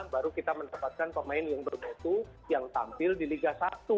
baru kita mendapatkan pemain yang berbatu yang tampil di liga satu